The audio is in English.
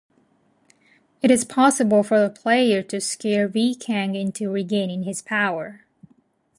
It is possible for the player to scare Viekang into regaining his power.